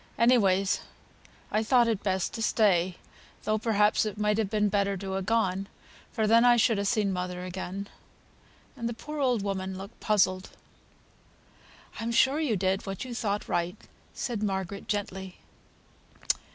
Anyways I thought it best to stay, though perhaps it might have been better to ha' gone, for then I should ha' seen mother again;" and the poor old woman looked puzzled. "I'm sure you did what you thought right," said Margaret, gently.